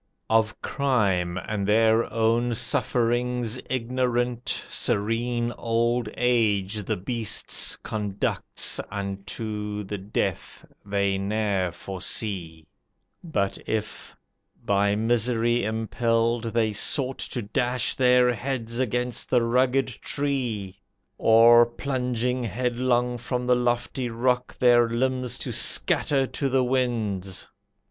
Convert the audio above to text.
"Of crime, and their own sufferings ignorant, Serene old age the beasts conducts Unto the death they ne'er foresee. But if, by misery impelled, they sought To dash their heads against the rugged tree, Or, plunging headlong from the lofty rock, Their limbs to scatter to the winds.